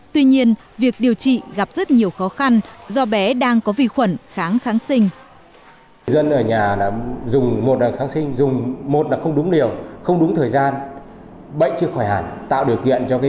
tuy nhiên việc điều trị gặp rất nhiều khó khăn do bé đang có vi khuẩn kháng kháng sinh